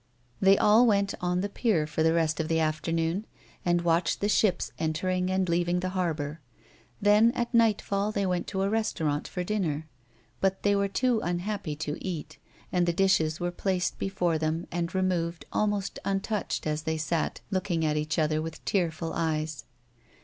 They all went on the pier for the rest of the afternoon and watched the ships entering and leaving the harbour ; then, at nightfall, they went to a restaurant for dinner. But they were too unhappy to eat, and the dishes were placed before them and removed almost untouched as they sat looking at each other with tearful eyes.